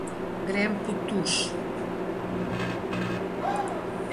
Grem pod tuš.